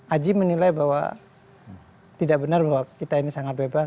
aji menilai bahwa tidak benar bahwa kita ini sangat bebas